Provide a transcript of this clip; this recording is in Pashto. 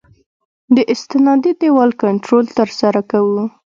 د استنادي دیوال کنټرول ترسره کوو